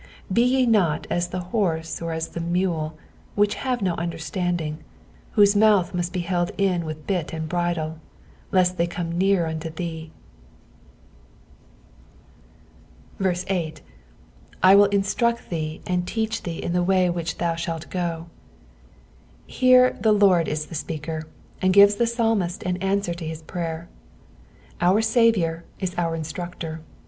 g Be ye not as the horse, or as the mule, iv/iich have no under standing : whose mouth must be held in with bit and bridle, lest they come near unto thee. FSA.LU THE THIBTT SECOND. 03 8. '* I uin. inttnid, ihse and Uadi thtt in the wap ichieh tKou thatt go.''* Ilere the Liord is the speaker, and gives the psalmist an answer to fais prayer. Our Sftviour is our iDstmctor.